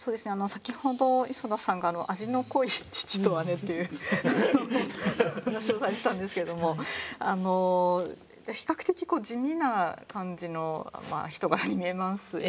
先ほど磯田さんが味の濃い父と姉っていう話をされてたんですけれども比較的地味な感じの人柄に見えますよね